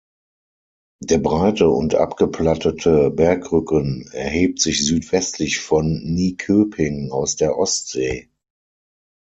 Der breite und abgeplattete Bergrücken erhebt sich südwestlich von Nyköping aus der Ostsee.